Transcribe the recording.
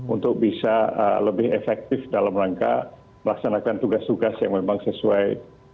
untuk bisa lebih efektif dalam rangka melaksanakan tugas tugas yang memang sesuai